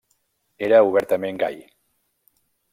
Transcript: Era obertament gai.